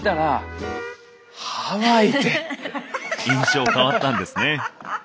印象変わったんですね。